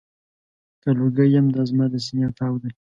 که لوګی یم، دا زما د سینې تاو دی.